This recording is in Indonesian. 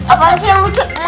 apaan sih yang lucu